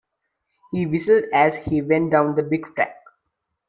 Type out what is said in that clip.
He whistled as he went down the brick track.